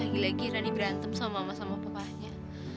lagi lagi rani berantem sama mama sama papanya